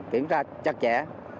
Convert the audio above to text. kiểm tra chặt chẽ